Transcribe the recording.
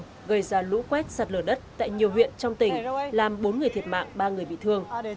gây ra lũ quét sạt lở đất tại nhiều huyện trong tỉnh làm bốn người thiệt mạng ba người bị thương